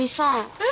うん？